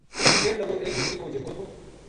کہن لگو ایک بیٹکی کو جِرگو تھو